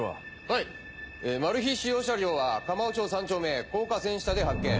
はいマル被使用車両は蒲尾町３丁目高架線下で発見。